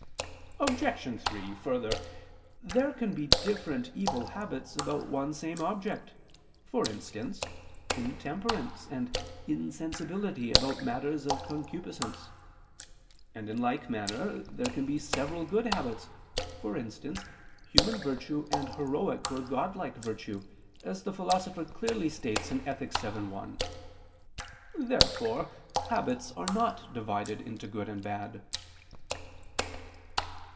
Obj. 3: Further, there can be different evil habits about one same object; for instance, intemperance and insensibility about matters of concupiscence: and in like manner there can be several good habits; for instance, human virtue and heroic or godlike virtue, as the Philosopher clearly states (Ethic. vii, 1). Therefore, habits are not divided into good and bad.